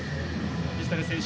水谷選手